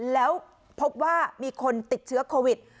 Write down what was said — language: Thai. แล้วพบว่ามีคนติดเชื้อโควิด